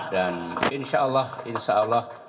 dan insya allah insya allah